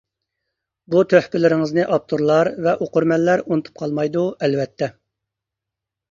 بۇ تۆھپىلىرىڭىزنى ئاپتورلار ۋە ئوقۇرمەنلەر ئۇنتۇپ قالمايدۇ، ئەلۋەتتە.